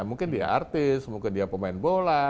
mungkin dia artis mungkin dia pemain bola